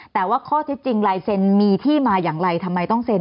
แต่ว่าข้อเท็จจริงลายเซ็นมีที่มาอย่างไรทำไมต้องเซ็น